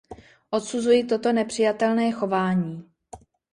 Odsuzuji toto nepřijatelné chování.